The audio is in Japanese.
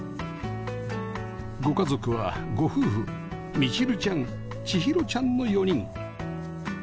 ご家族はご夫婦みちるちゃんちひろちゃんの４人